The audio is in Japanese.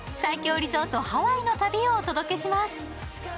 リゾート・ハワイの旅をお届けします。